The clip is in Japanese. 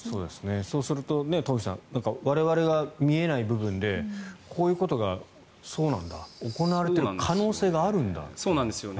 そうすると東輝さん我々が見えない部分でこういうことが行われている可能性があるんだと。